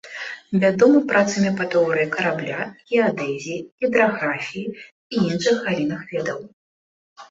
Вядомы працамі па тэорыі карабля, геадэзіі, гідраграфіі і іншых галінах ведаў.